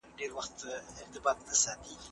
تاسې ولې پرون اوبه ضایع کولې؟